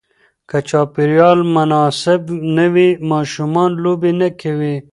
که چاپېریال مناسب نه وي، ماشومان لوبې نه کوي.